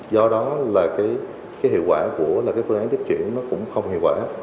do đó là cái hiệu quả của cái phương án tiếp chuyển nó cũng không hiệu quả